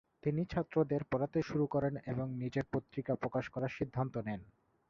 তিনি ছাত্রদের পড়াতে শুরু করেন এবং নিজের পত্রিকা প্রকাশ করার সিদ্ধান্ত নেন।